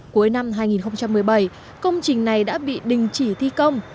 cuối năm hai nghìn một mươi bảy công trình này đã bị đình chỉ thi công